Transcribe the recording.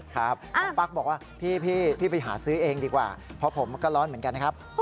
ครับน้องปั๊กบอกว่าพี่ไปหาซื้อเองดีกว่าเพราะผมก็ร้อนเหมือนกันนะครับ